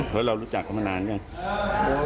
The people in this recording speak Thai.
เฮ้ยเรารู้จักกันมานานกันไง